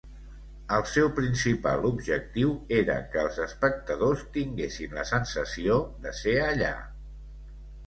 El seu principal objectiu era que els espectadors tinguessin la sensació de ser allà.